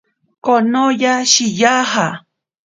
Konoya shiyaja.